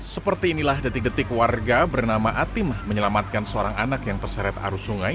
seperti inilah detik detik warga bernama atim menyelamatkan seorang anak yang terseret arus sungai